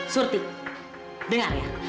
surti dengar ya